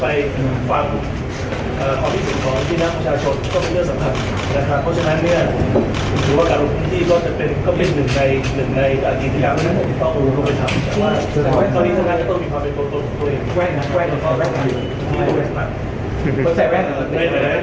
เพราะฉะนั้นเนี่ยกรุพฤทธิก็เป็นหนึ่งในอัลกีธรรม๔๐๐